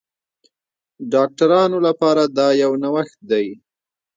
ډاکټرانو لپاره دا یو نوښت دی.